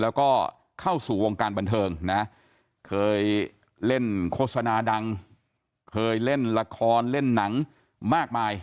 แล้วก็เข้าสู่วงการบันเทิงนะเคยเล่นโฆษณาดังเคยเล่นละครเล่นหนังมากมาย